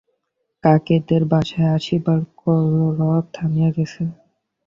কাকেদের বাসায় আসিবার কলরব থামিয়া গেছে।